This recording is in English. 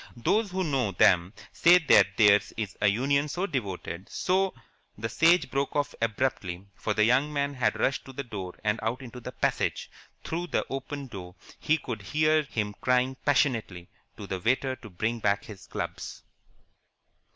Those who know them say that theirs is a union so devoted, so "The Sage broke off abruptly, for the young man had rushed to the door and out into the passage. Through the open door he could hear him crying passionately to the waiter to bring back his clubs.